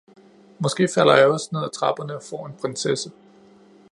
Måske falder jeg også ned af trapperne og får en prinsesse